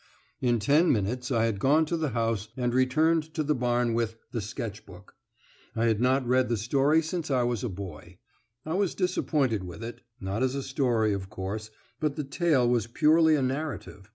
In ten minutes I had gone to the house and returned to the barn with "The Sketch Book." I had not read the story since I was a boy. I was disappointed with it; not as a story, of course, but the tale was purely a narrative.